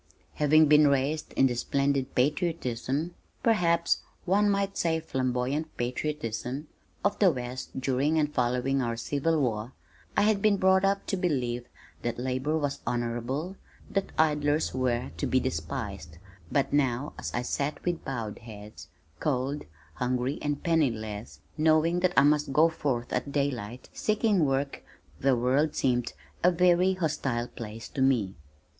Having been raised in the splendid patriotism, perhaps one might say flamboyant patriotism, of the West during and following our Civil War, I had been brought up to believe that labor was honorable, that idlers were to be despised, but now as I sat with bowed head, cold, hungry and penniless, knowing that I must go forth at daylight seeking work, the world seemed a very hostile place to me.